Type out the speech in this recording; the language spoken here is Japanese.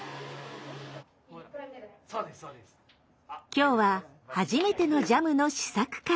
今日は初めてのジャムの試作会。